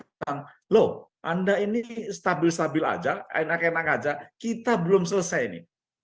bilang loh anda ini stabil stabil aja enak enak aja kita belum selesai nih